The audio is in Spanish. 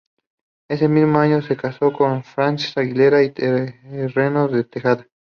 Ese mismo año se casó con Francisca Aguilera y Herreros de Tejada.